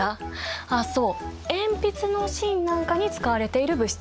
あっそう鉛筆の芯なんかに使われている物質。